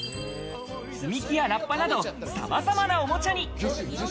積み木やラッパなど、さまざまなおもちゃに。